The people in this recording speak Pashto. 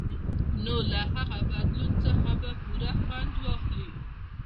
نو له هغه بدلون څخه به پوره خوند واخلئ.